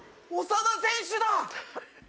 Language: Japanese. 長田選手だ。